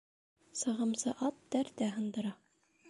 Сығымсы ат тәртә һындыра.